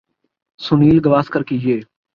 سنیل گواسکر کی یہ